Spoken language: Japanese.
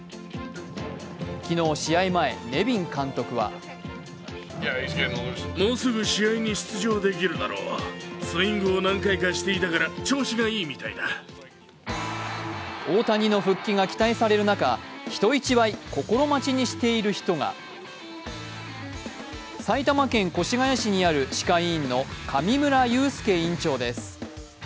昨日試合前、ネビン監督は大谷の復帰が期待される中、人一倍心待ちにしている人が埼玉県越谷市にある歯科医院の上村優介院長です。